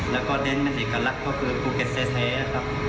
แล้วก็เด้นเป็นอีกละก็คือปูเก็ตเทยียนะครับ